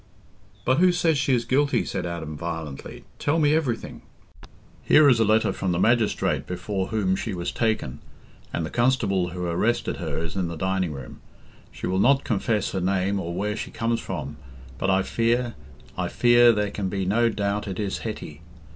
"But who says she is guilty?" said Adam violently. "Tell me everything." "Here is a letter from the magistrate before whom she was taken, and the constable who arrested her is in the dining room. She will not confess her name or where she comes from; but I fear, I fear, there can be no doubt it is Hetty.